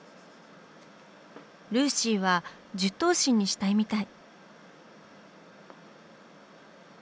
ルーシーは１０頭身にしたいみたい。